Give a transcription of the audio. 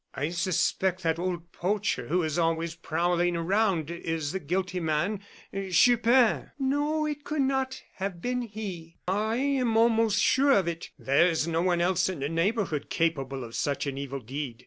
"I suspect that old poacher, who is always prowling around, is the guilty man Chupin." "No, it could not have been he." "Ah! I am almost sure of it. There is no one else in the neighborhood capable of such an evil deed."